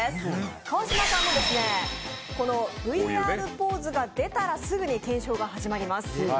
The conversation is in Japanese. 川島さんのＶＡＲポーズが出たらすぐに検証が始まります。